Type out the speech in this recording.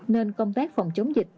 nên công tác phòng chống dịch